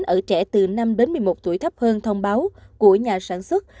ở trẻ từ năm đến một mươi một tuổi thấp hơn thông báo của nhà sản xuất